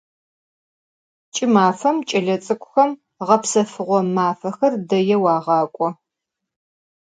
Ç'ımafem ç'elets'ık'uxem ğepsefığo mafexer deêu ağak'o.